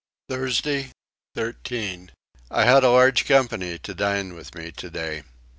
Thursday 13. I had a large company to dine with me today.